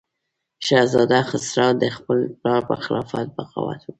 شهزاده خسرو د خپل پلار پر خلاف بغاوت وکړ.